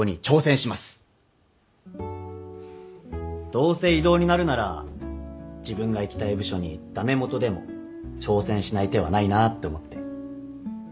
どうせ異動になるなら自分が行きたい部署に駄目もとでも挑戦しない手はないなって思って。